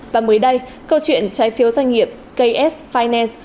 và mới đây câu chuyện trái phiếu doanh nghiệp ks finance